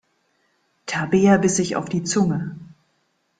Tabea biss sich auf die Zunge.